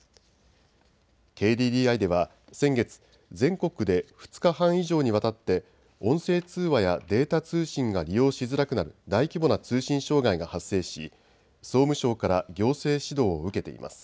ＫＤＤＩでは先月、全国で２日半以上にわたって音声通話やデータ通信が利用しづらくなる大規模な通信障害が発生し総務省から行政指導を受けています。